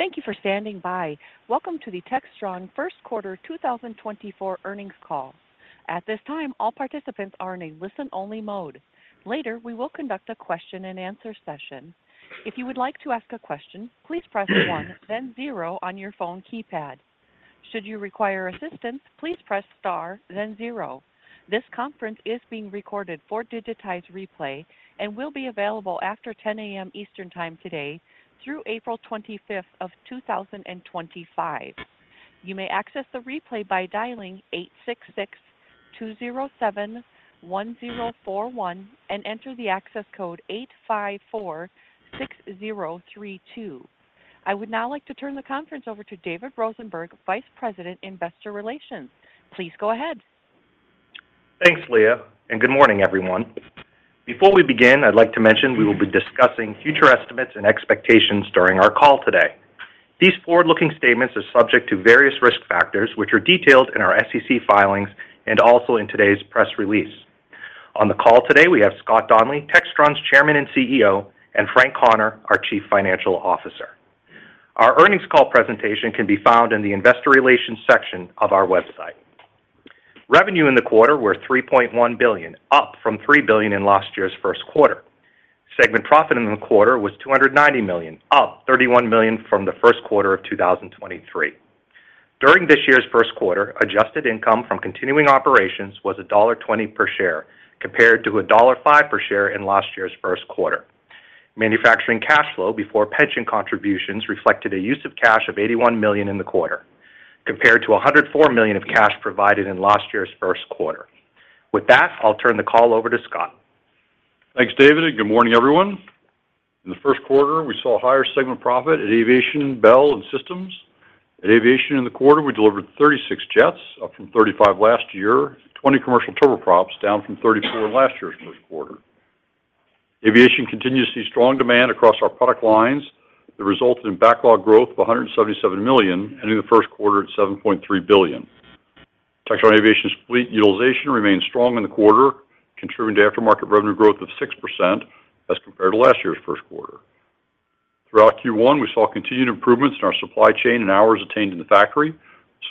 Thank you for standing by. Welcome to the Textron First Quarter 2024 Earnings Call. At this time, all participants are in a listen-only mode. Later, we will conduct a question-and-answer session. If you would like to ask a question, please press one, then zero on your phone keypad. Should you require assistance, please press star, then zero. This conference is being recorded for digitized replay and will be available after 10:00 A.M. Eastern Time today through April 25th of 2025. You may access the replay by dialing 866-207-1041 and enter the access code 854-6032. I would now like to turn the conference over to David Rosenberg, Vice President Investor Relations. Please go ahead. Thanks, Leah, and good morning, everyone. Before we begin, I'd like to mention we will be discussing future estimates and expectations during our call today. These forward-looking statements are subject to various risk factors, which are detailed in our SEC filings and also in today's press release. On the call today, we have Scott Donnelly, Textron's Chairman and CEO, and Frank Connor, our Chief Financial Officer. Our earnings call presentation can be found in the investor relations section of our website. Revenue in the quarter were $3.1 billion, up from $3 billion in last year's first quarter. Segment profit in the quarter was $290 million, up $31 million from the first quarter of 2023. During this year's first quarter, adjusted income from continuing operations was $1.20 per share compared to $1.05 per share in last year's first quarter. Manufacturing cash flow before pension contributions reflected a use of cash of $81 million in the quarter, compared to $104 million of cash provided in last year's first quarter. With that, I'll turn the call over to Scott. Thanks, David, and good morning, everyone. In the first quarter, we saw higher segment profit at Aviation, Bell, and Systems. At Aviation in the quarter, we delivered 36 jets, up from 35 last year, 20 commercial turboprops, down from 34 last year's first quarter. Aviation continues to see strong demand across our product lines, the result in backlog growth of $177 million, ending the first quarter at $7.3 billion. Textron Aviation's fleet utilization remained strong in the quarter, contributing to aftermarket revenue growth of 6% as compared to last year's first quarter. Throughout Q1, we saw continued improvements in our supply chain and hours attained in the factory,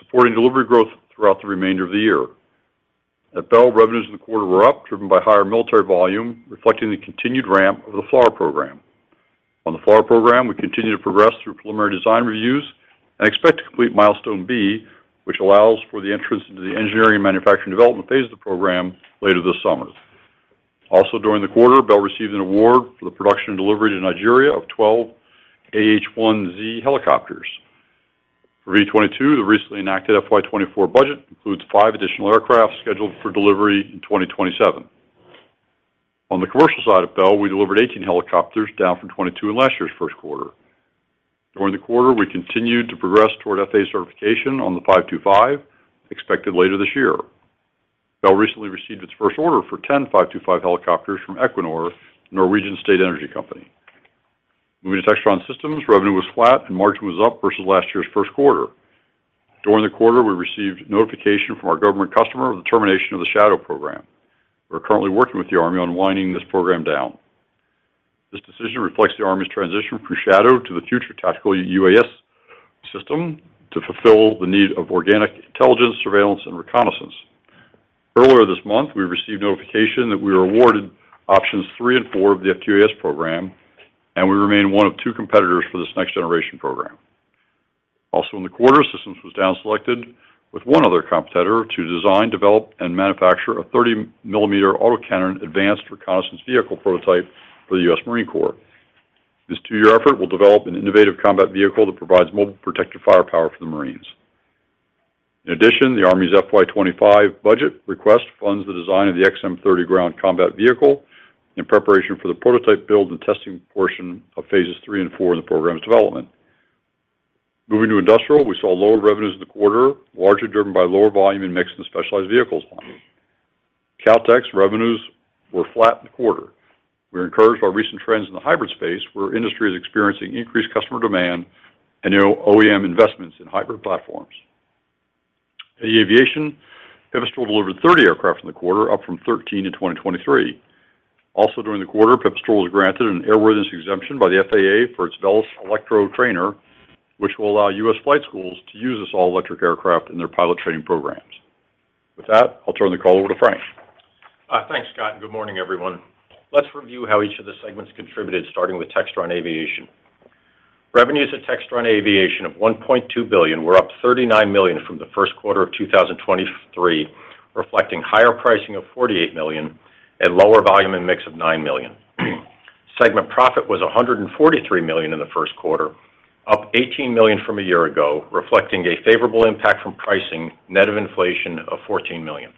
supporting delivery growth throughout the remainder of the year. At Bell, revenues in the quarter were up, driven by higher military volume, reflecting the continued ramp of the FLRAA program. On the FLRAA program, we continue to progress through preliminary design reviews and expect to complete Milestone B, which allows for the entrance into the Engineering and Manufacturing Development phase of the program later this summer. Also, during the quarter, Bell received an award for the production and delivery to Nigeria of 12 AH-1Z helicopters. For V-22, the recently enacted FY 2024 budget includes five additional aircraft scheduled for delivery in 2027. On the commercial side at Bell, we delivered 18 helicopters, down from 22 in last year's first quarter. During the quarter, we continued to progress toward FAA certification on the 525, expected later this year. Bell recently received its first order for 10 525 helicopters from Equinor, Norwegian State Energy Company. Moving to Textron Systems, revenue was flat and margin was up versus last year's first quarter. During the quarter, we received notification from our government customer of the termination of the Shadow program. We're currently working with the Army on winding this program down. This decision reflects the Army's transition from Shadow to the Future Tactical Unmanned Aircraft System to fulfill the need of organic intelligence, surveillance, and reconnaissance. Earlier this month, we received notification that we were awarded options 3 and 4 of the FTUAS program, and we remain one of two competitors for this next generation program. Also, in the quarter, Systems was down selected with one other competitor to design, develop, and manufacture a 30 mm autocannon Advanced Reconnaissance Vehicle prototype for the U.S. Marine Corps. This two year effort will develop an innovative combat vehicle that provides mobile protective firepower for the Marines. In addition, the Army's FY 2025 budget request funds the design of the XM30 ground combat vehicle in preparation for the prototype build and testing portion of phases three and four in the program's development. Moving to Industrial, we saw lower revenues in the quarter, largely driven by lower volume and mix in the Specialized Vehicles line. Kautex revenues were flat in the quarter. We were encouraged by recent trends in the hybrid space, where industry is experiencing increased customer demand and new OEM investments in hybrid platforms. At eAviation, Pipistrel delivered 30 aircraft in the quarter, up from 13 in 2023. Also, during the quarter, Pipistrel was granted an airworthiness exemption by the FAA for its Velis Electro Trainer, which will allow U.S. flight schools to use this all-electric aircraft in their pilot training programs. With that, I'll turn the call over to Frank. Thanks, Scott, and good morning, everyone. Let's review how each of the segments contributed, starting with Textron Aviation. Revenues at Textron Aviation of $1.2 billion were up $39 million from the first quarter of 2023, reflecting higher pricing of $48 million and lower volume and mix of $9 million. Segment profit was $143 million in the first quarter, up $18 million from a year ago, reflecting a favorable impact from pricing, net of inflation of $14 million.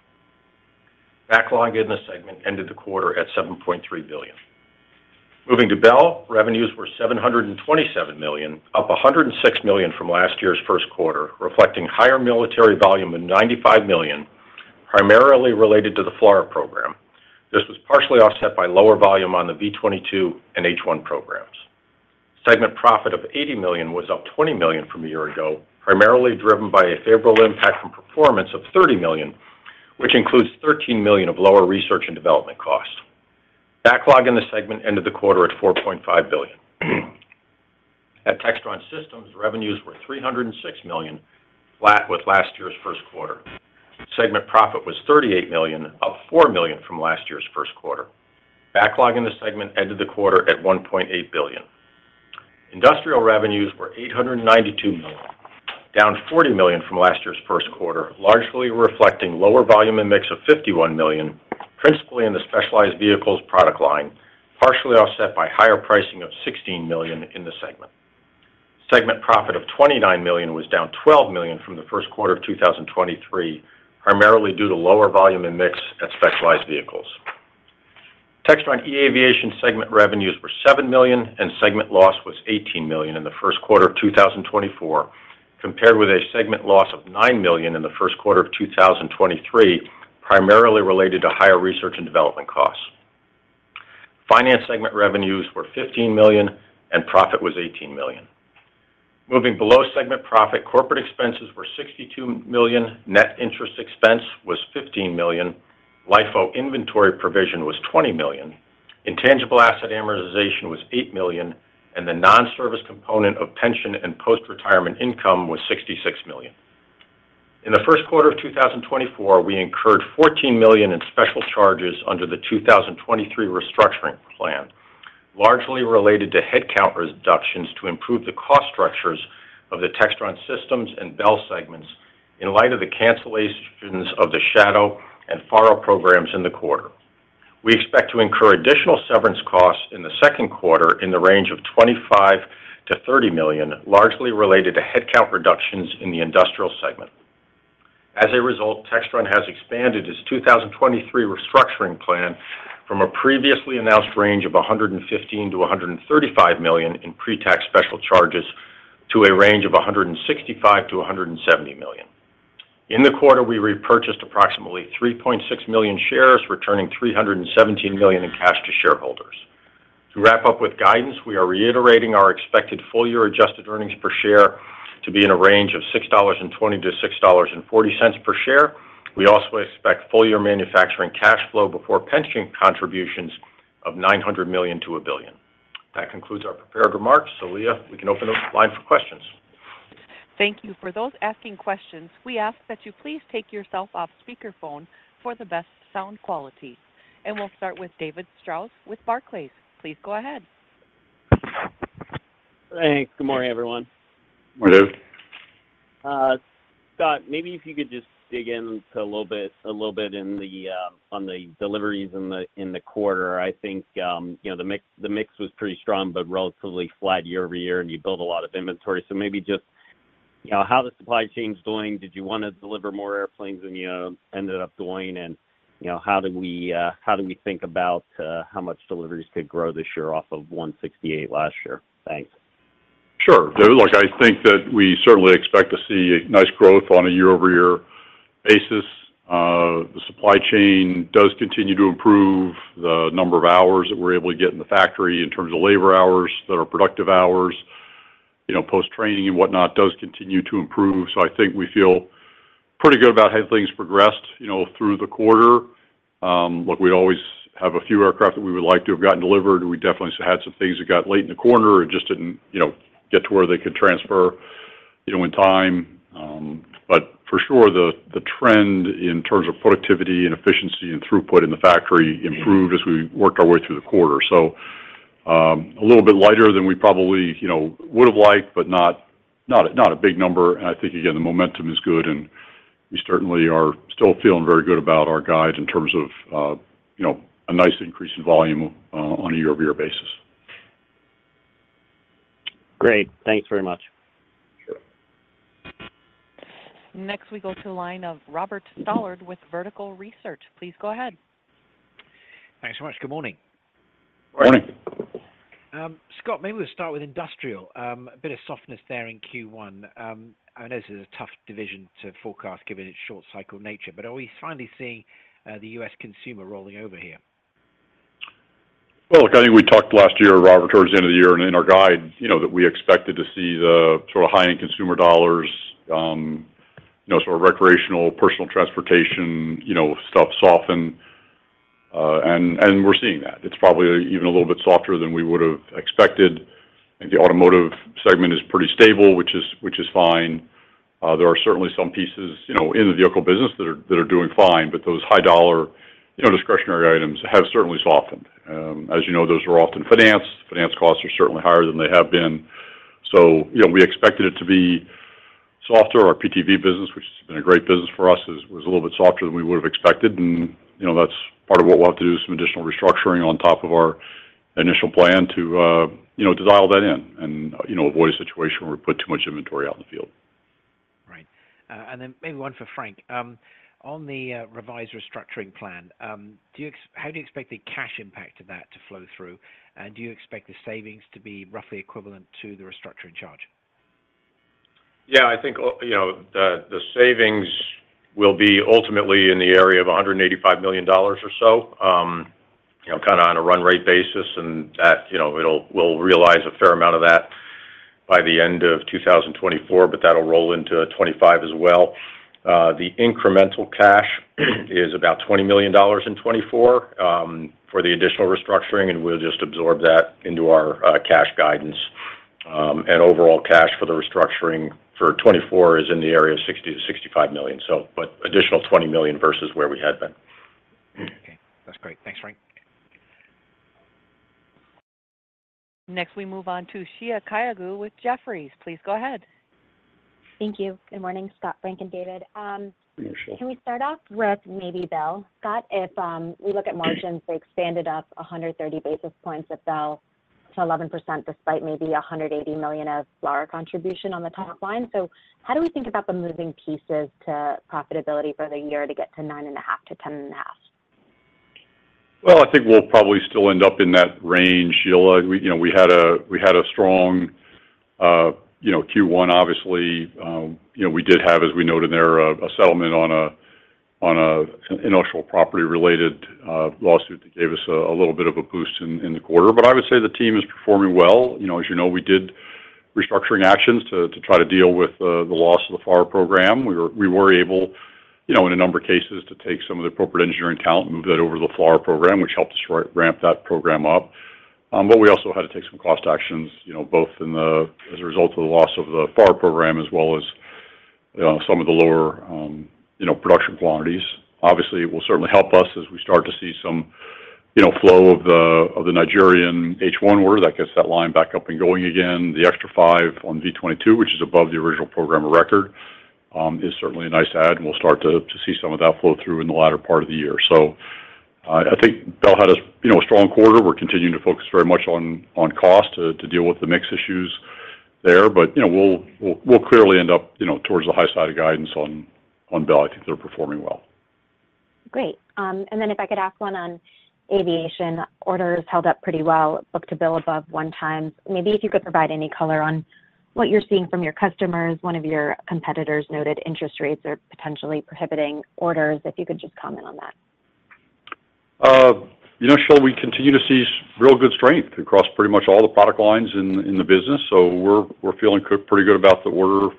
Backlog in the segment ended the quarter at $7.3 billion. Moving to Bell, revenues were $727 million, up $106 million from last year's first quarter, reflecting higher military volume of $95 million, primarily related to the FLRAA program. This was partially offset by lower volume on the V-22 and H-1 programs. Segment profit of $80 million was up $20 million from a year ago, primarily driven by a favorable impact from performance of $30 million, which includes $13 million of lower research and development costs. Backlog in the segment ended the quarter at $4.5 billion. At Textron Systems, revenues were $306 million, flat with last year's first quarter. Segment profit was $38 million, up $4 million from last year's first quarter. Backlog in the segment ended the quarter at $1.8 billion. Industrial revenues were $892 million, down $40 million from last year's first quarter, largely reflecting lower volume and mix of $51 million, principally in the Specialized Vehicles product line, partially offset by higher pricing of $16 million in the segment. Segment profit of $29 million was down $12 million from the first quarter of 2023, primarily due to lower volume and mix at Specialized Vehicles. Textron eAviation segment revenues were $7 million, and segment loss was $18 million in the first quarter of 2024, compared with a segment loss of $9 million in the first quarter of 2023, primarily related to higher research and development costs. Finance segment revenues were $15 million, and profit was $18 million. Moving below segment profit, corporate expenses were $62 million, net interest expense was $15 million, LIFO inventory provision was $20 million, intangible asset amortization was $8 million, and the non-service component of pension and post-retirement income was $66 million. In the first quarter of 2024, we incurred $14 million in special charges under the 2023 restructuring plan, largely related to headcount reductions to improve the cost structures of the Textron Systems and Bell segments in light of the cancellations of the Shadow and FARA programs in the quarter. We expect to incur additional severance costs in the second quarter in the range of $25 million-$30 million, largely related to headcount reductions in the Industrial segment. As a result, Textron has expanded its 2023 restructuring plan from a previously announced range of $115 million-$135 million in pre-tax special charges to a range of $165 million-$170 million. In the quarter, we repurchased approximately 3.6 million shares, returning $317 million in cash to shareholders. To wrap up with guidance, we are reiterating our expected full-year adjusted earnings per share to be in a range of $6.20-$6.40 per share. We also expect full-year manufacturing cash flow before pension contributions of $900 million-$1 billion. That concludes our prepared remarks. So, Leah, we can open the line for questions. Thank you. For those asking questions, we ask that you please take yourself off speakerphone for the best sound quality. We'll start with David Strauss with Barclays. Please go ahead. Thanks. Good morning, everyone. Morning, David. Scott, maybe if you could just dig into a little bit on the deliveries in the quarter. I think the mix was pretty strong but relatively flat year-over-year, and you built a lot of inventory. So maybe just how the supply chain's doing. Did you want to deliver more airplanes than you ended up doing? And how do we think about how much deliveries could grow this year off of 168 last year? Thanks. Sure, David. I think that we certainly expect to see nice growth on a year-over-year basis. The supply chain does continue to improve. The number of hours that we're able to get in the factory in terms of labor hours, that are productive hours, post-training and whatnot, does continue to improve. So I think we feel pretty good about how things progressed through the quarter. Look, we'd always have a few aircraft that we would like to have gotten delivered. We definitely had some things that got late in the quarter. It just didn't get to where they could transfer in time. But for sure, the trend in terms of productivity and efficiency and throughput in the factory improved as we worked our way through the quarter. So a little bit lighter than we probably would have liked, but not a big number. I think, again, the momentum is good, and we certainly are still feeling very good about our guide in terms of a nice increase in volume on a year-over-year basis. Great. Thanks very much. Sure. Next, we go to the line of Robert Stallard with Vertical Research. Please go ahead. Thanks so much. Good morning. Morning. Scott, maybe we'll start with Industrial. A bit of softness there in Q1. I know this is a tough division to forecast given its short-cycle nature, but are we finally seeing the U.S. consumer rolling over here? Well, I think we talked last year, Robert, towards the end of the year in our guide that we expected to see the sort of high-end consumer dollars, sort of recreational, personal transportation stuff soften. We're seeing that. It's probably even a little bit softer than we would have expected. I think the automotive segment is pretty stable, which is fine. There are certainly some pieces in the vehicle business that are doing fine, but those high-dollar discretionary items have certainly softened. As you know, those are often finance. Finance costs are certainly higher than they have been. So we expected it to be softer. Our PTV business, which has been a great business for us, was a little bit softer than we would have expected. That's part of what we'll have to do is some additional restructuring on top of our initial plan to dial that in and avoid a situation where we put too much inventory out in the field. Right. And then maybe one for Frank. On the revised restructuring plan, how do you expect the cash impact of that to flow through? And do you expect the savings to be roughly equivalent to the restructuring charge? Yeah. I think the savings will be ultimately in the area of $185 million or so, kind of on a run-rate basis. We'll realize a fair amount of that by the end of 2024, but that'll roll into 2025 as well. The incremental cash is about $20 million in 2024 for the additional restructuring, and we'll just absorb that into our cash guidance. Overall cash for the restructuring for 2024 is in the area of $60 million-$65 million, but additional $20 million versus where we had been. Okay. That's great. Thanks, Frank. Next, we move on to Sheila Kahyaoglu with Jefferies. Please go ahead. Thank you. Good morning, Scott, Frank, and David. Good morning, Sheila. Can we start off with maybe Bell? Scott, if we look at margins, they expanded up 130 basis points at Bell to 11% despite maybe $180 million of FLRAA contribution on the top line. So how do we think about the moving pieces to profitability for the year to get to 9.5%-10.5%? Well, I think we'll probably still end up in that range. We had a strong Q1, obviously. We did have, as we noted there, a settlement on an industrial property-related lawsuit that gave us a little bit of a boost in the quarter. But I would say the team is performing well. As you know, we did restructuring actions to try to deal with the loss of the FARA program. We were able, in a number of cases, to take some of the appropriate engineering talent and move that over to the FLRAA program, which helped us ramp that program up. But we also had to take some cost actions both as a result of the loss of the FARA program as well as some of the lower production quantities. Obviously, it will certainly help us as we start to see some flow of the Nigerian AH-1 order that gets that line back up and going again. The extra five on V-22, which is above the original program record, is certainly a nice add. And we'll start to see some of that flow through in the latter part of the year. So I think Bell had a strong quarter. We're continuing to focus very much on cost to deal with the mix issues there. But we'll clearly end up towards the high side of guidance on Bell. I think they're performing well. Great. And then if I could ask one on Aviation, orders held up pretty well, booked to bill above one times. Maybe if you could provide any color on what you're seeing from your customers. One of your competitors noted interest rates are potentially prohibiting orders. If you could just comment on that. Still, we continue to see real good strength across pretty much all the product lines in the business. So we're feeling pretty good about the order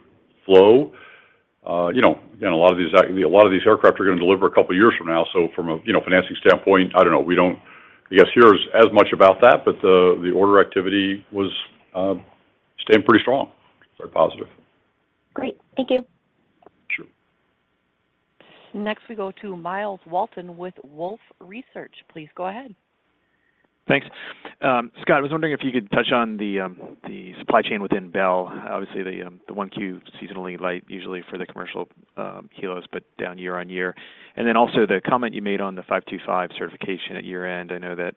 flow. Again, a lot of these a lot of these aircraft are going to deliver a couple of years from now. So from a financing standpoint, I don't know. I guess that's as much about that, but the order activity was staying pretty strong. It's very positive. Great. Thank you. Sure. Next, we go to Myles Walton with Wolfe Research. Please go ahead. Thanks. Scott, I was wondering if you could touch on the supply chain within Bell. Obviously, the 1Q seasonally light usually for the commercial helos, but down year-over-year. And then also the comment you made on the 525 certification at year-end. I know that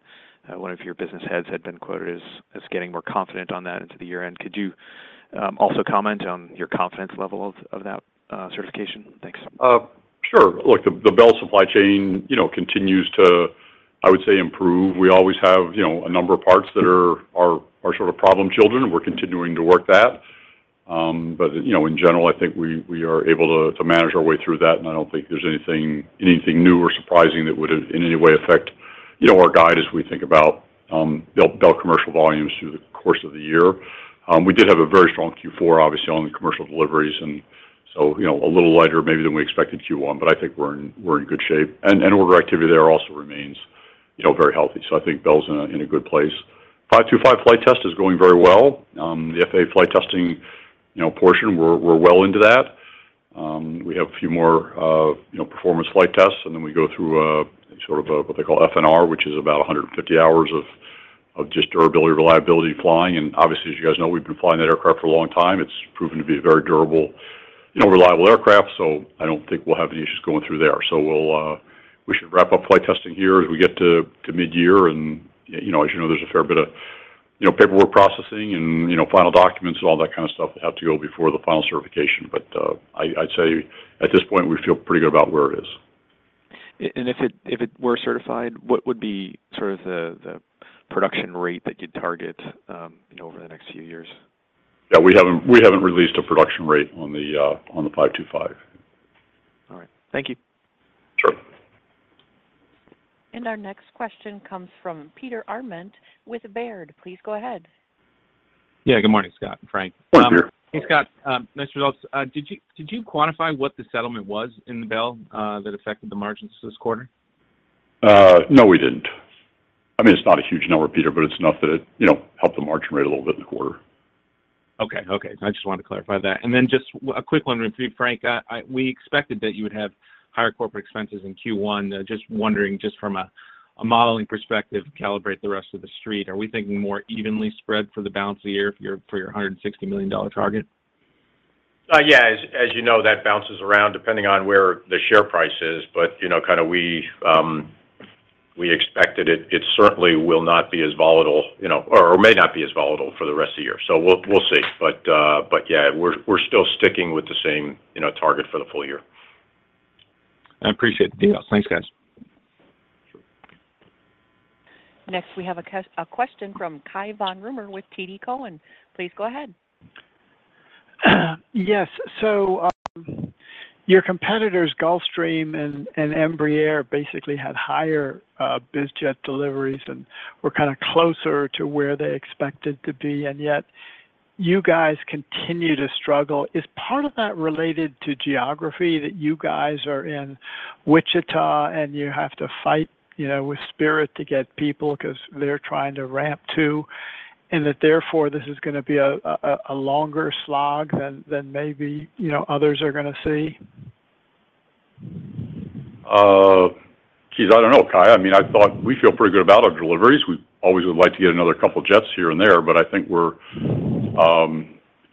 one of your business heads had been quoted as getting more confident on that into the year-end. Could you also comment on your confidence level of that certification? Thanks. Sure. Look, the Bell supply chain continues to, I would say, improve. We always have a number of parts that are sort of problem children, and we're continuing to work that. But in general, I think we are able to manage our way through that. And I don't think there's anything new or surprising that would in any way affect our guide as we think about Bell commercial volumes through the course of the year. We did have a very strong Q4, obviously, on the commercial deliveries. And so a little lighter maybe than we expected Q1, but I think we're in good shape. And order activity there also remains very healthy. So I think Bell's in a good place. 525 flight test is going very well. The FAA flight testing portion, we're well into that. We have a few more performance flight tests, and then we go through sort of what they call F&R, which is about 150 hours of just durability, reliability flying. And obviously, as you guys know, we've been flying that aircraft for a long time. It's proven to be a very durable, reliable aircraft. So I don't think we'll have any issues going through there. So we should wrap up flight testing here as we get to mid-year. And as you know, there's a fair bit of paperwork processing and final documents and all that kind of stuff that have to go before the final certification. But I'd say at this point, we feel pretty good about where it is. If it were certified, what would be sort of the production rate that you'd target over the next few years? Yeah. We haven't released a production rate on the 525. All right. Thank you. Sure. Our next question comes from Peter Arment with Baird. Please go ahead. Yeah. Good morning, Scott and Frank. Morning, Peter. Hey, Scott. Nice results. Did you quantify what the settlement was in the Bell that affected the margins this quarter? No, we didn't. I mean, it's not a huge number, Peter, but it's enough that it helped the margin rate a little bit in the quarter. Okay. Okay. I just wanted to clarify that. And then just a quick wondering for you, Frank. We expected that you would have higher corporate expenses in Q1. Just wondering, just from a modeling perspective, calibrate the rest of the street. Are we thinking more evenly spread for the balance of the year for your $160 million target? Yeah. As you know, that bounces around depending on where the share price is. But kind of we expected it certainly will not be as volatile or may not be as volatile for the rest of the year. So we'll see. But yeah, we're still sticking with the same target for the full year. I appreciate it, the details. Thanks, guys. Sure. Next, we have a question from Cai von Rumohr with TD Cowen. Please go ahead. Yes. So your competitors, Gulfstream and Embraer, basically had higher bizjet deliveries and were kind of closer to where they expected to be. And yet, you guys continue to struggle. Is part of that related to geography that you guys are in Wichita and you have to fight with Spirit to get people because they're trying to ramp to, and that therefore this is going to be a longer slog than maybe others are going to see? Geez, I don't know, Cai. I mean, I thought we feel pretty good about our deliveries. We always would like to get another couple of jets here and there, but I think we're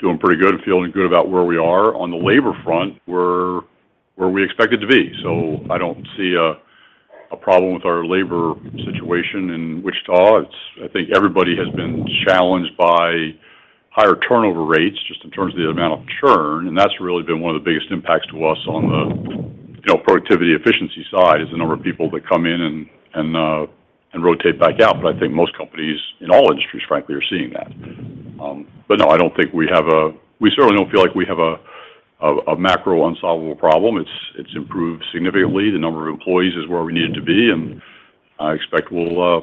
doing pretty good and feeling good about where we are on the labor front where we expected to be. So I don't see a problem with our labor situation in Wichita. I think everybody has been challenged by higher turnover rates just in terms of the amount of churn. And that's really been one of the biggest impacts to us on the productivity efficiency side is the number of people that come in and rotate back out. But I think most companies in all industries, frankly, are seeing that. But no, I don't think we have a – we certainly don't feel like we have a macro unsolvable problem. It's improved significantly. The number of employees is where we needed to be. I expect, as I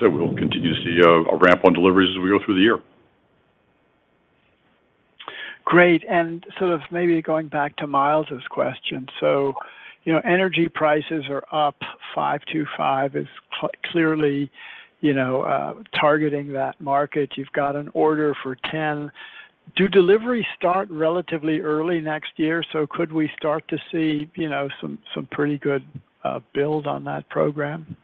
said, we'll continue to see a ramp on deliveries as we go through the year. Great. And sort of maybe going back to Myles' question. So energy prices are up. 525 is clearly targeting that market. You've got an order for 10. Do deliveries start relatively early next year? So could we start to see some pretty good build on that program?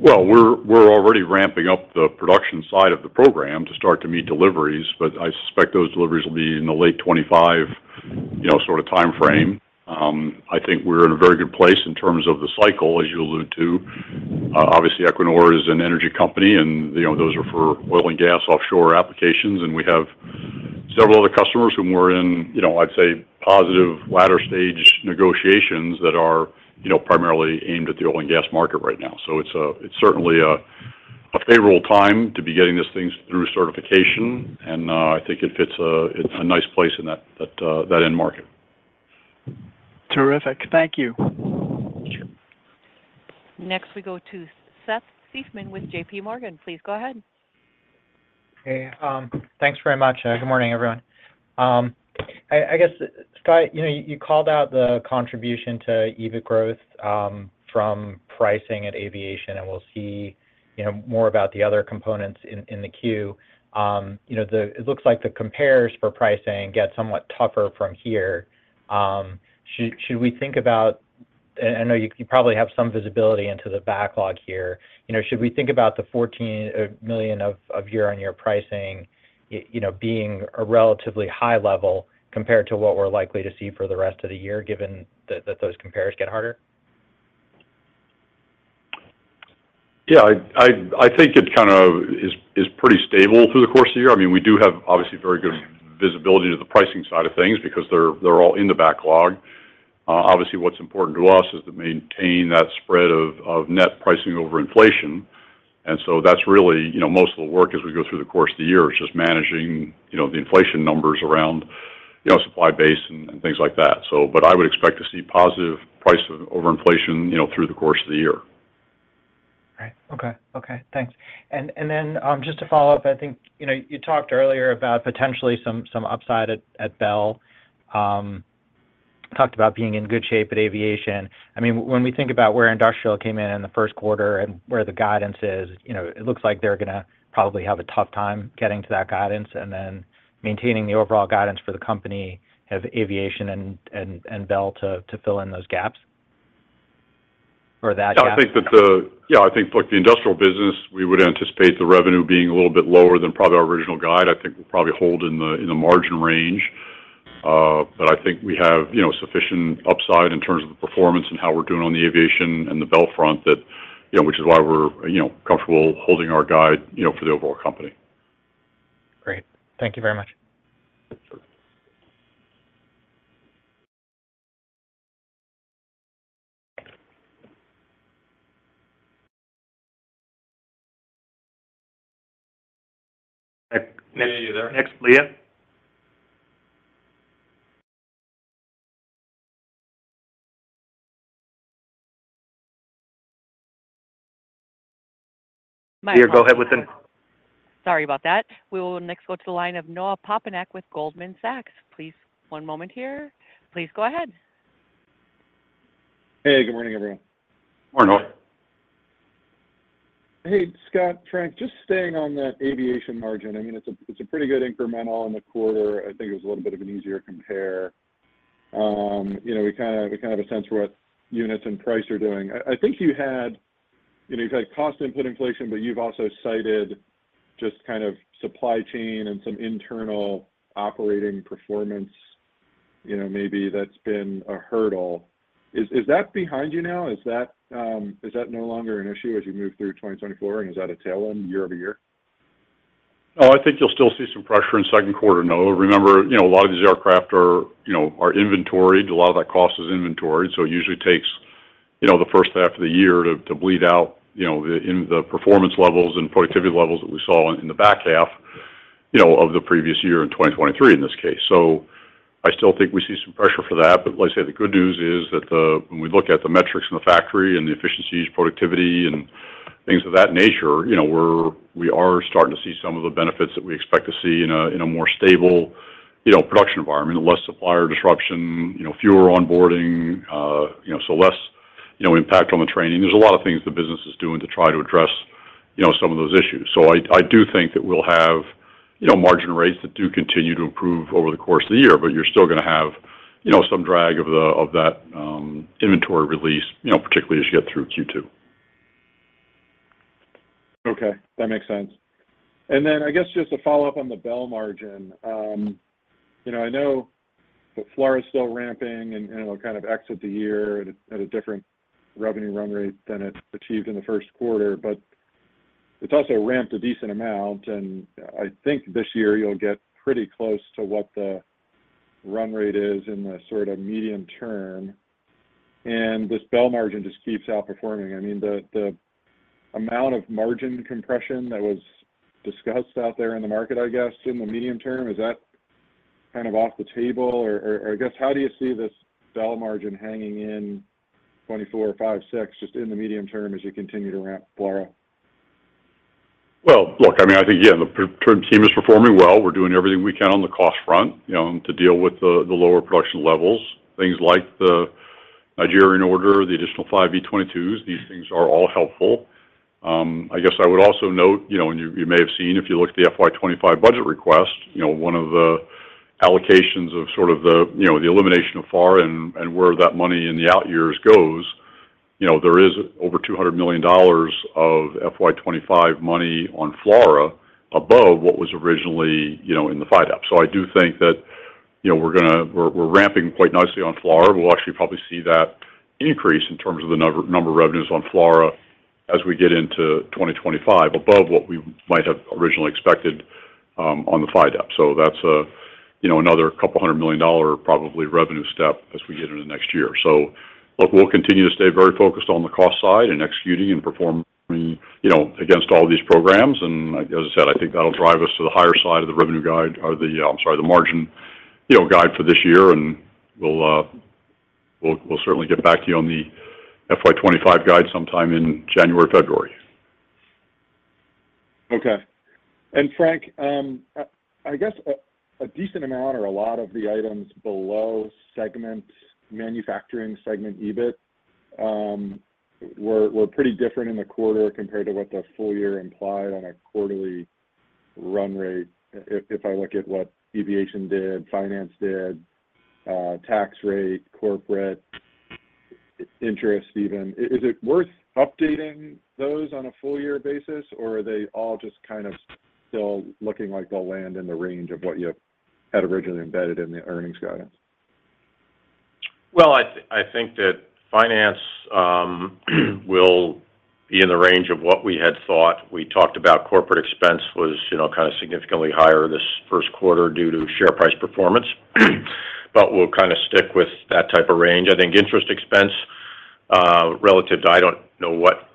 Well, we're already ramping up the production side of the program to start to meet deliveries, but I suspect those deliveries will be in the late 2025 sort of timeframe. I think we're in a very good place in terms of the cycle, as you alluded to. Obviously, Equinor is an energy company, and those are for oil and gas offshore applications. And we have several other customers whom we're in, I'd say, positive latter-stage negotiations that are primarily aimed at the oil and gas market right now. So it's certainly a favorable time to be getting these things through certification. And I think it fits a nice place in that end market. Terrific. Thank you. Sure. Next, we go to Seth Seifman with JPMorgan. Please go ahead. Hey. Thanks very much. Good morning, everyone. I guess, Scott, you called out the contribution to EBIT growth from pricing at aviation, and we'll see more about the other components in the queue. It looks like the compares for pricing get somewhat tougher from here. Should we think about, and I know you probably have some visibility into the backlog here. Should we think about the $14 million of year-over-year pricing being a relatively high level compared to what we're likely to see for the rest of the year given that those compares get harder? Yeah. I think it kind of is pretty stable through the course of the year. I mean, we do have, obviously, very good visibility to the pricing side of things because they're all in the backlog. Obviously, what's important to us is to maintain that spread of net pricing over inflation. And so that's really most of the work as we go through the course of the year. It's just managing the inflation numbers around supply base and things like that. But I would expect to see positive price over inflation through the course of the year. Right. Okay. Okay. Thanks. And then just to follow up, I think you talked earlier about potentially some upside at Bell. Talked about being in good shape at aviation. I mean, when we think about where Industrial came in in the first quarter and where the guidance is, it looks like they're going to probably have a tough time getting to that guidance and then maintaining the overall guidance for the company of aviation and Bell to fill in those gaps or that gap. Yeah. I think, look, the Industrial business, we would anticipate the revenue being a little bit lower than probably our original guide. I think we'll probably hold in the margin range. But I think we have sufficient upside in terms of the performance and how we're doing on the aviation and the Bell front, which is why we're comfortable holding our guide for the overall company. Great. Thank you very much. Sure. Next. Are you there? Next, Leah. Leah, go ahead with then. Sorry about that. We will next go to the line of Noah Poponak with Goldman Sachs. Please one moment here. Please go ahead. Hey. Good morning, everyone. Morning, Noah. Hey, Scott, Frank. Just staying on that aviation margin. I mean, it's a pretty good incremental in the quarter. I think it was a little bit of an easier compare. We kind of have a sense for what units and price are doing. I think you've had cost input inflation, but you've also cited just kind of supply chain and some internal operating performance maybe that's been a hurdle. Is that behind you now? Is that no longer an issue as you move through 2024, and is that a tailwind year-over-year? Oh, I think you'll still see some pressure in second quarter, Noah. Remember, a lot of these aircraft are inventoried. A lot of that cost is inventoried. So it usually takes the first half of the year to bleed out the performance levels and productivity levels that we saw in the back half of the previous year in 2023 in this case. So I still think we see some pressure for that. But like I said, the good news is that when we look at the metrics in the factory and the efficiencies, productivity, and things of that nature, we are starting to see some of the benefits that we expect to see in a more stable production environment, less supplier disruption, fewer onboarding, so less impact on the training. There's a lot of things the business is doing to try to address some of those issues. I do think that we'll have margin rates that do continue to improve over the course of the year, but you're still going to have some drag of that inventory release, particularly as you get through Q2. Okay. That makes sense. And then I guess just a follow-up on the Bell margin. I know that FLRAA is still ramping, and it'll kind of exit the year at a different revenue run rate than it achieved in the first quarter. But it's also ramped a decent amount. And I think this year, you'll get pretty close to what the run rate is in the sort of medium term. And this Bell margin just keeps outperforming. I mean, the amount of margin compression that was discussed out there in the market, I guess, in the medium term, is that kind of off the table? Or I guess, how do you see this Bell margin hanging in 2024, 2025, 2026 just in the medium term as you continue to ramp, FLRAA? Well, look, I mean, I think, again, the team is performing well. We're doing everything we can on the cost front to deal with the lower production levels. Things like the Nigerian order, the additional five V-22s, these things are all helpful. I guess I would also note, and you may have seen if you looked at the FY 2025 budget request, one of the allocations of sort of the elimination of FARA and where that money in the out years goes, there is over $200 million of FY 2025 money on FLRAA above what was originally in the FYDP. So I do think that we're ramping quite nicely on FLRAA. We'll actually probably see that increase in terms of the number of revenues on FLRAA as we get into 2025 above what we might have originally expected on the FYDP. So that's another $200 million, probably, revenue step as we get into next year. So look, we'll continue to stay very focused on the cost side and executing and performing against all these programs. And as I said, I think that'll drive us to the higher side of the revenue guide or the I'm sorry, the margin guide for this year. And we'll certainly get back to you on the FY 2025 guide sometime in January, February. Okay. And Frank, I guess a decent amount or a lot of the items below manufacturing segment EBIT were pretty different in the quarter compared to what the full year implied on a quarterly run rate if I look at what aviation did, finance did, tax rate, corporate interest even. Is it worth updating those on a full-year basis, or are they all just kind of still looking like they'll land in the range of what you had originally embedded in the earnings guidance? Well, I think that finance will be in the range of what we had thought. We talked about corporate expense was kind of significantly higher this first quarter due to share price performance, but we'll kind of stick with that type of range. I think interest expense relative to I don't know what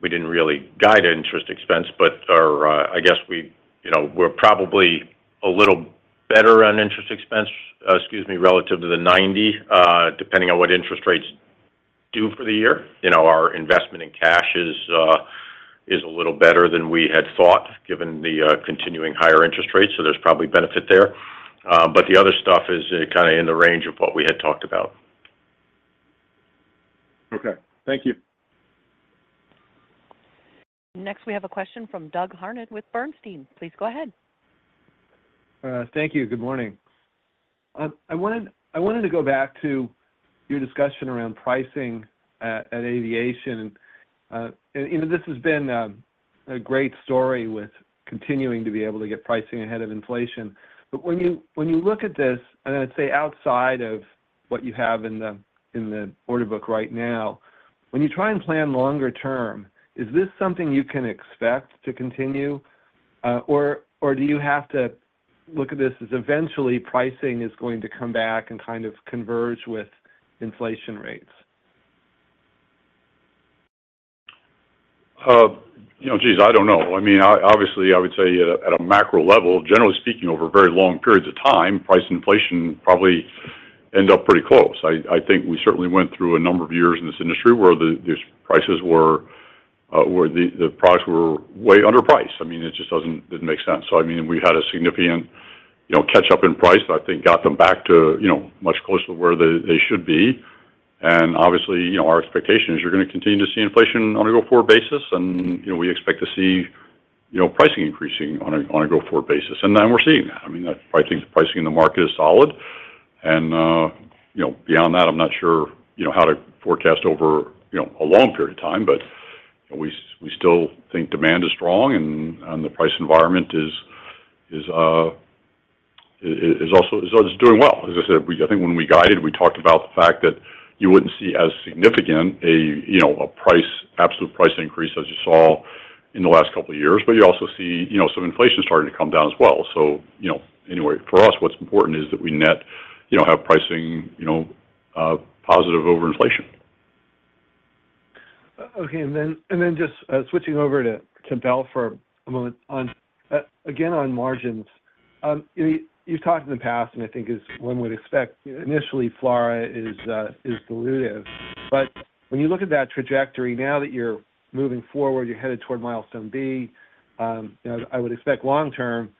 we didn't really guide interest expense, but I guess we're probably a little better on interest expense, excuse me, relative to the $90, depending on what interest rates do for the year. Our investment in cash is a little better than we had thought given the continuing higher interest rates. So there's probably benefit there. But the other stuff is kind of in the range of what we had talked about. Okay. Thank you. Next, we have a question from Doug Harned with Bernstein. Please go ahead. Thank you. Good morning. I wanted to go back to your discussion around pricing at Aviation. This has been a great story with continuing to be able to get pricing ahead of inflation. When you look at this - and I'd say outside of what you have in the order book right now - when you try and plan longer term, is this something you can expect to continue, or do you have to look at this as eventually pricing is going to come back and kind of converge with inflation rates? Geez, I don't know. I mean, obviously, I would say at a macro level, generally speaking, over very long periods of time, price and inflation probably end up pretty close. I think we certainly went through a number of years in this industry where the prices were where the products were way underpriced. I mean, it just didn't make sense. So I mean, we had a significant catch-up in price that I think got them back to much closer to where they should be. And obviously, our expectation is you're going to continue to see inflation on a go-forward basis, and we expect to see pricing increasing on a go-forward basis. And we're seeing that. I mean, I think the pricing in the market is solid. And beyond that, I'm not sure how to forecast over a long period of time. But we still think demand is strong, and the price environment is also doing well. As I said, I think when we guided, we talked about the fact that you wouldn't see as significant a price absolute price increase as you saw in the last couple of years, but you also see some inflation starting to come down as well. So anyway, for us, what's important is that we net have pricing positive over inflation. Okay. And then just switching over to Bell for a moment again on margins. You've talked in the past, and I think as one would expect. Initially, FLRAA is dilutive. But when you look at that trajectory now that you're moving forward, you're headed toward Milestone B, I would expect long-term,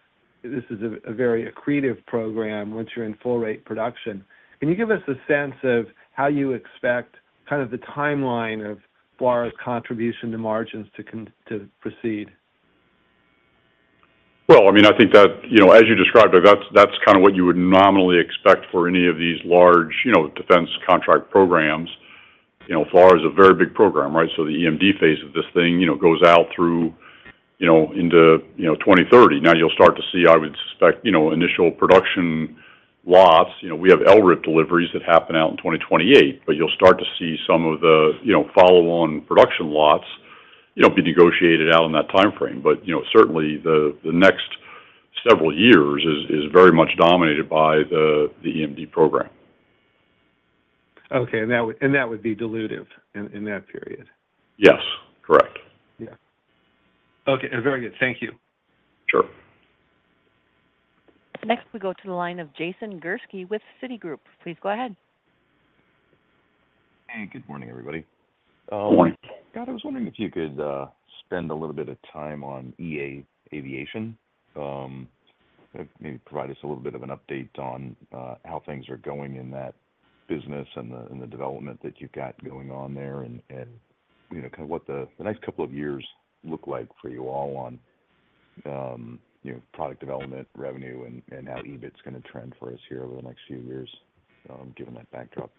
this is a very accretive program once you're in full-rate production. Can you give us a sense of how you expect kind of the timeline of FLRAA's contribution to margins to proceed? Well, I mean, I think that as you described, that's kind of what you would nominally expect for any of these large defense contract programs. FLRAA is a very big program, right? So the EMD phase of this thing goes out into 2030. Now, you'll start to see, I would suspect, initial production lots. We have LRIP deliveries that happen out in 2028, but you'll start to see some of the follow-on production lots be negotiated out in that timeframe. But certainly, the next several years is very much dominated by the EMD program. Okay. And that would be dilutive in that period? Yes. Correct. Yeah. Okay. Very good. Thank you. Sure. Next, we go to the line of Jason Gursky with Citigroup. Please go ahead. Hey. Good morning, everybody. Good morning. Scott, I was wondering if you could spend a little bit of time on eAviation, maybe provide us a little bit of an update on how things are going in that business and the development that you've got going on there and kind of what the next couple of years look like for you all on product development, revenue, and how EBIT's going to trend for us here over the next few years given that backdrop.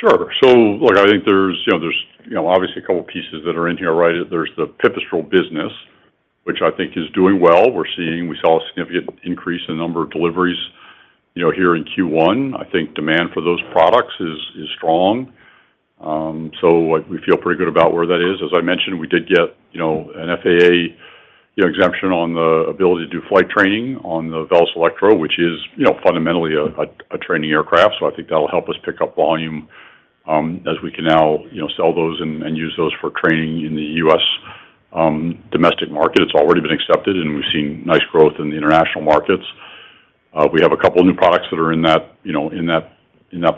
Sure. So look, I think there's obviously a couple of pieces that are in here, right? There's the Pipistrel business, which I think is doing well. We saw a significant increase in the number of deliveries here in Q1. I think demand for those products is strong. So we feel pretty good about where that is. As I mentioned, we did get an FAA exemption on the ability to do flight training on the Velis Electro, which is fundamentally a training aircraft. So I think that'll help us pick up volume as we can now sell those and use those for training in the U.S. domestic market. It's already been accepted, and we've seen nice growth in the international markets. We have a couple of new products that are in that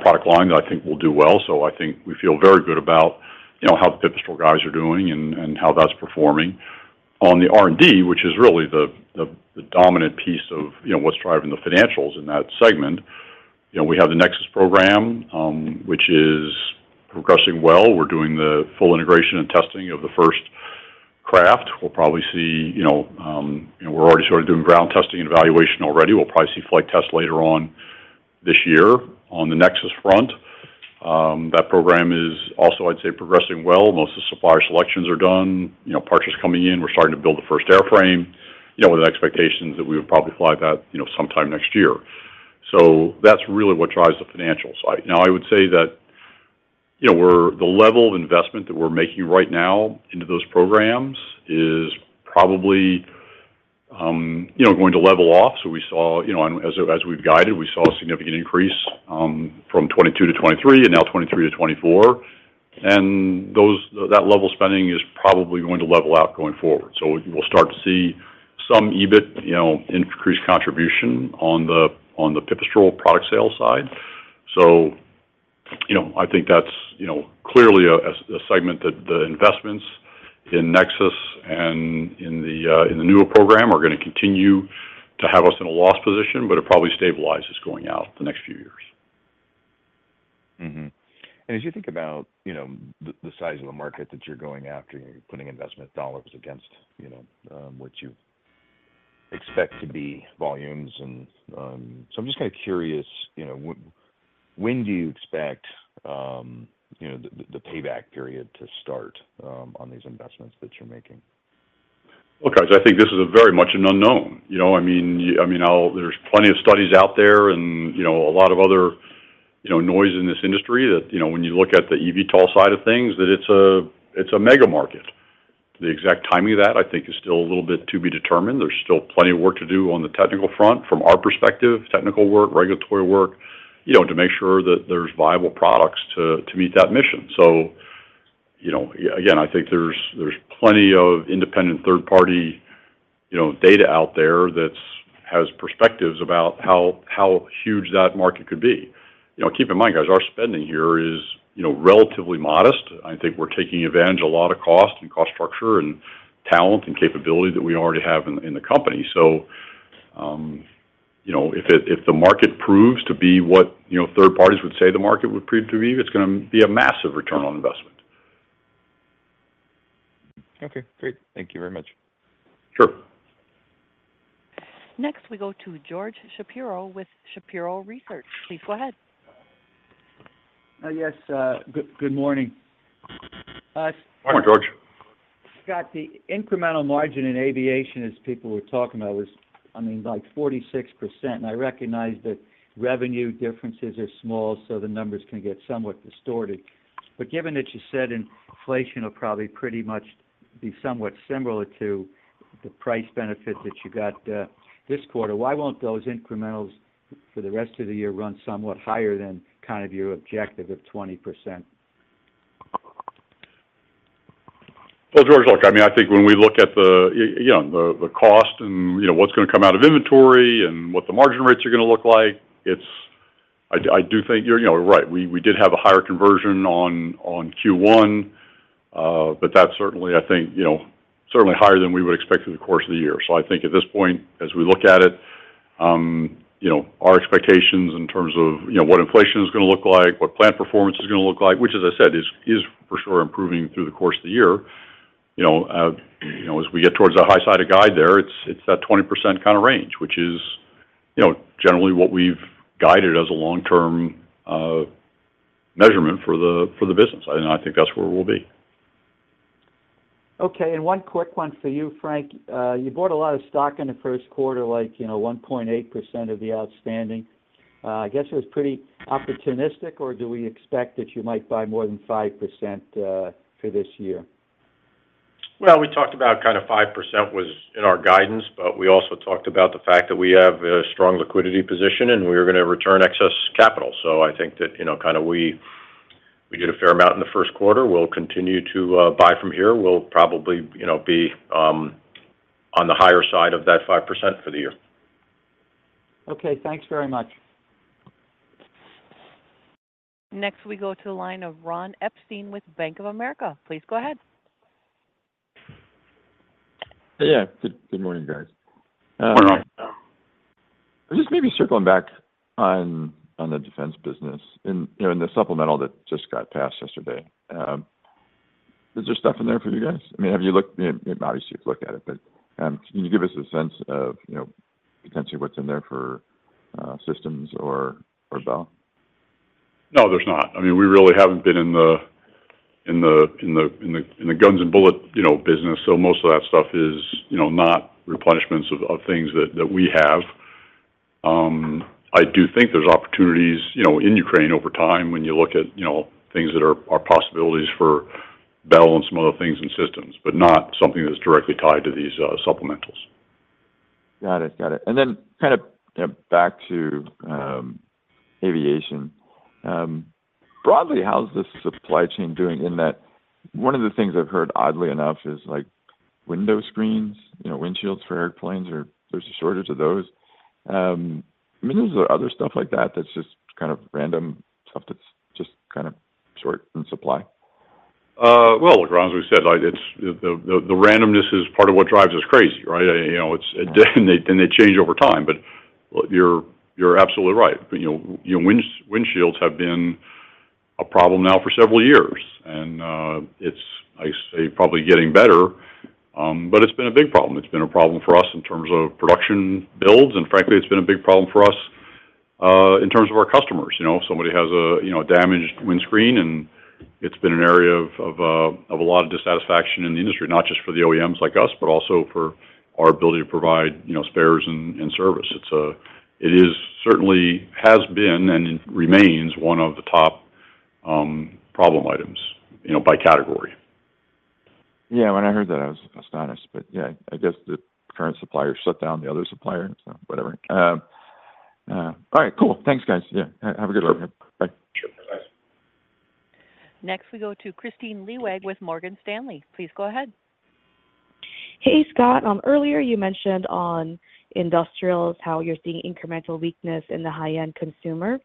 product line that I think will do well. So I think we feel very good about how the Pipistrel guys are doing and how that's performing. On the R&D, which is really the dominant piece of what's driving the financials in that segment, we have the Nexus program, which is progressing well. We're doing the full integration and testing of the first craft. We'll probably see we're already sort of doing ground testing and evaluation already. We'll probably see flight tests later on this year on the Nexus front. That program is also, I'd say, progressing well. Most of the supplier selections are done, parts are coming in. We're starting to build the first airframe with the expectations that we would probably fly that sometime next year. So that's really what drives the financials. Now, I would say that the level of investment that we're making right now into those programs is probably going to level off. So as we've guided, we saw a significant increase from 2022 to 2023 and now 2023 to 2024. And that level spending is probably going to level out going forward. So we'll start to see some EBIT increased contribution on the Pipistrel product sale side. So I think that's clearly a segment that the investments in Nexus and in the Nuuva program are going to continue to have us in a loss position, but it probably stabilizes going out the next few years. As you think about the size of the market that you're going after, you're putting investment dollars against what you expect to be volumes. So I'm just kind of curious, when do you expect the payback period to start on these investments that you're making? Look, guys, I think this is very much an unknown. I mean, there's plenty of studies out there and a lot of other noise in this industry that when you look at the eVTOL side of things, that it's a mega market. The exact timing of that, I think, is still a little bit to be determined. There's still plenty of work to do on the technical front from our perspective, technical work, regulatory work, to make sure that there's viable products to meet that mission. So again, I think there's plenty of independent third-party data out there that has perspectives about how huge that market could be. Keep in mind, guys, our spending here is relatively modest. I think we're taking advantage of a lot of cost and cost structure and talent and capability that we already have in the company. If the market proves to be what third parties would say the market would prove to be, it's going to be a massive return on investment. Okay. Great. Thank you very much. Sure. Next, we go to George Shapiro with Shapiro Research. Please go ahead. Yes. Good morning. Morning, George. Scott, the incremental margin in aviation, as people were talking about, was, I mean, like 46%. And I recognize that revenue differences are small, so the numbers can get somewhat distorted. But given that you said inflation will probably pretty much be somewhat similar to the price benefit that you got this quarter, why won't those incrementals for the rest of the year run somewhat higher than kind of your objective of 20%? Well, George, look, I mean, I think when we look at the cost and what's going to come out of inventory and what the margin rates are going to look like, I do think you're right. We did have a higher conversion on Q1, but that's certainly, I think, certainly higher than we would expect through the course of the year. So I think at this point, as we look at it, our expectations in terms of what inflation is going to look like, what plant performance is going to look like, which, as I said, is for sure improving through the course of the year. As we get towards that high side of guide there, it's that 20% kind of range, which is generally what we've guided as a long-term measurement for the business. And I think that's where we'll be. Okay. One quick one for you, Frank. You bought a lot of stock in the first quarter, like 1.8% of the outstanding. I guess it was pretty opportunistic, or do we expect that you might buy more than 5% for this year? Well, we talked about kind of 5% was in our guidance, but we also talked about the fact that we have a strong liquidity position, and we are going to return excess capital. So I think that kind of we did a fair amount in the first quarter. We'll continue to buy from here. We'll probably be on the higher side of that 5% for the year. Okay. Thanks very much. Next, we go to the line of Ron Epstein with Bank of America. Please go ahead. Hey, yeah. Good morning, guys. Morning, Rob. I was just maybe circling back on the defense business and the supplemental that just got passed yesterday. Is there stuff in there for you guys? I mean, have you looked? Obviously, you've looked at it, but can you give us a sense of potentially what's in there for Systems or Bell? No, there's not. I mean, we really haven't been in the guns-and-bullet business, so most of that stuff is not replenishments of things that we have. I do think there's opportunities in Ukraine over time when you look at things that are possibilities for Bell and some other things and systems, but not something that's directly tied to these supplementals. Got it. Got it. And then kind of back to Aviation. Broadly, how's the supply chain doing in that one of the things I've heard, oddly enough, is window screens, windshields for airplanes, or there's a shortage of those? I mean, is there other stuff like that that's just kind of random stuff that's just kind of short in supply? Well, as we said, the randomness is part of what drives us crazy, right? And they change over time. But you're absolutely right. Windshields have been a problem now for several years, and it's, I say, probably getting better. But it's been a big problem. It's been a problem for us in terms of production builds. And frankly, it's been a big problem for us in terms of our customers. Somebody has a damaged windshield, and it's been an area of a lot of dissatisfaction in the industry, not just for the OEMs like us, but also for our ability to provide spares and service. It certainly has been and remains one of the top problem items by category. Yeah. When I heard that, I was astonished. But yeah, I guess the current supplier shut down the other supplier, so whatever. All right. Cool. Thanks, guys. Yeah. Have a good one. Bye. Sure. Bye. Next, we go to Kristine Liwag with Morgan Stanley. Please go ahead. Hey, Scott. Earlier, you mentioned on Industrials how you're seeing incremental weakness in the high-end consumer.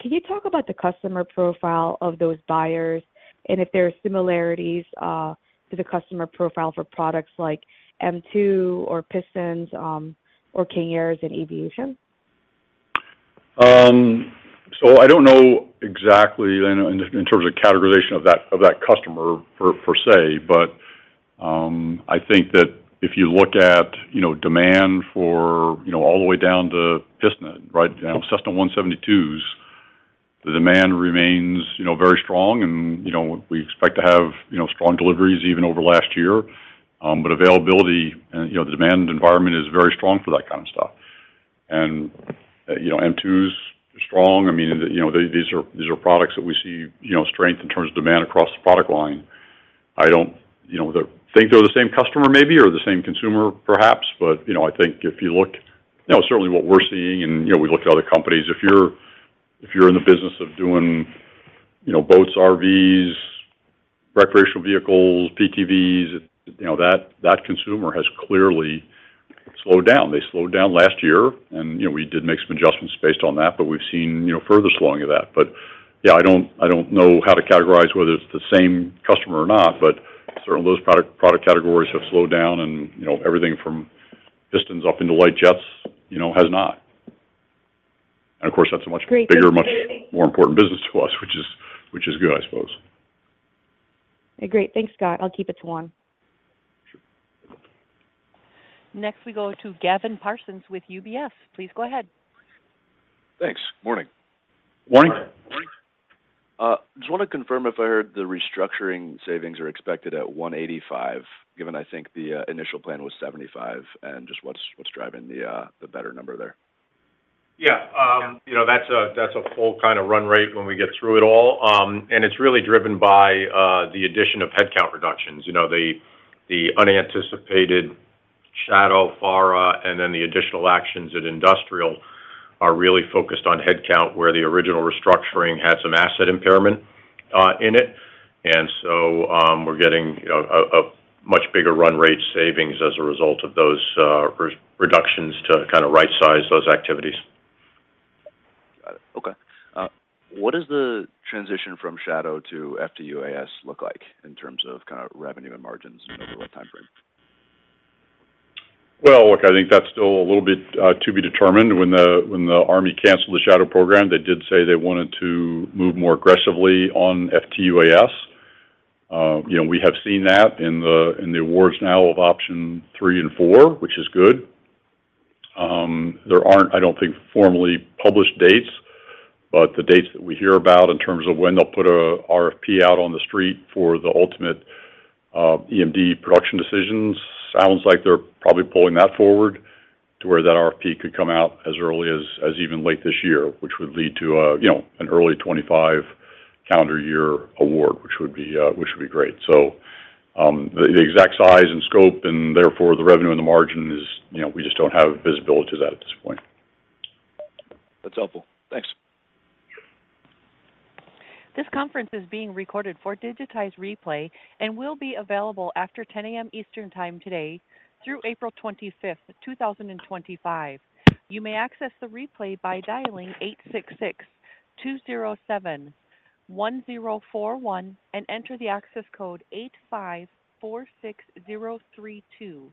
Can you talk about the customer profile of those buyers and if there are similarities to the customer profile for products like M2 or Pistons or Carriers in Aviation? So I don't know exactly in terms of categorization of that customer per se, but I think that if you look at demand for all the way down to piston, right, Cessna 172s, the demand remains very strong, and we expect to have strong deliveries even over last year. But availability and the demand environment is very strong for that kind of stuff. And M2s are strong. I mean, these are products that we see strength in terms of demand across the product line. I don't think they're the same customer maybe or the same consumer, perhaps, but I think if you look certainly what we're seeing, and we look at other companies, if you're in the business of doing boats, RVs, recreational vehicles, PTVs, that consumer has clearly slowed down. They slowed down last year, and we did make some adjustments based on that, but we've seen further slowing of that. Yeah, I don't know how to categorize whether it's the same customer or not, but certainly, those product categories have slowed down, and everything from pistons up into light jets has not. Of course, that's a much bigger, much more important business to us, which is good, I suppose. Okay. Great. Thanks, Scott. I'll keep it to one. Sure. Next, we go to Gavin Parsons with UBS. Please go ahead. Thanks. Morning. Morning. I just want to confirm if I heard the restructuring savings are expected at $185 million, given I think the initial plan was $75 million, and just what's driving the better number there. Yeah. That's a full kind of run rate when we get through it all. And it's really driven by the addition of headcount reductions. The unanticipated Shadow, FARA, and then the additional actions at Industrial are really focused on headcount, where the original restructuring had some asset impairment in it. And so we're getting a much bigger run rate savings as a result of those reductions to kind of right-size those activities. Got it. Okay. What does the transition from Shadow to FTUAS look like in terms of kind of revenue and margins and over what timeframe? Well, look, I think that's still a little bit to be determined. When the Army canceled the Shadow program, they did say they wanted to move more aggressively on FTUAS. We have seen that in the awards now of option 3 and 4, which is good. There aren't, I don't think, formally published dates, but the dates that we hear about in terms of when they'll put an RFP out on the street for the ultimate EMD production decisions, sounds like they're probably pulling that forward to where that RFP could come out as early as even late this year, which would lead to an early 2025 calendar year award, which would be great. So the exact size and scope and therefore the revenue and the margin is we just don't have visibility to that at this point. That's helpful. Thanks. This conference is being recorded for digitized replay and will be available after 10:00 A.M. Eastern Time today through April 25th, 2025. You may access the replay by dialing 866-207-1041 and enter the access code 8546032.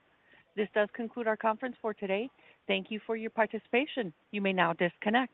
This does conclude our conference for today. Thank you for your participation. You may now disconnect.